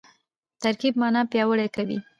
ترکیب مانا پیاوړې کوي.